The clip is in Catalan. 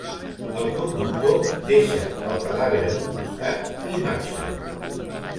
El conductor deixa el cadàver en un costat, i marxen.